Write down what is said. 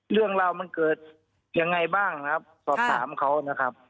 เรื่องราวมันเกิดยังไงบ้างนะครับสอบถามเขานะครับ